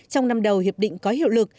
trong năm đầu hiệp định có hiệu lực